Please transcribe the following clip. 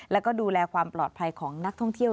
แล้วก็ดูแลความปลอดภัยของนักท่องเที่ยว